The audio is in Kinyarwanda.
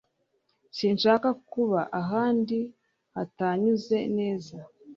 Sinshaka kuba ahandi hatanyuze neza.